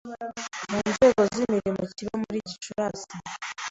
Mu nzego z’imirimo kiba muri Gicurasi